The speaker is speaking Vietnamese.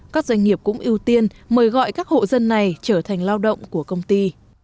các doanh nghiệp cũng ưu tiên mời gọi các hộ dân này trở thành lao động của công ty